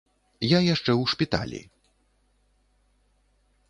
Я яшчэ ў шпіталі.